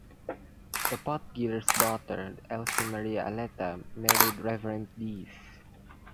The Potgieters' daughter Elsie Maria Aletta married reverend Ds.